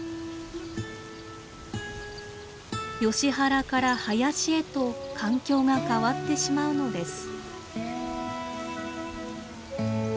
ヨシ原から林へと環境が変わってしまうのです。